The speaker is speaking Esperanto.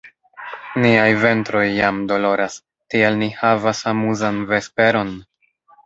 Niaj ventroj jam doloras; tiel ni havas amuzan vesperon!